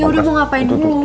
yaudah mau ngapain dulu